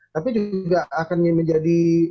tapi juga akan menjadi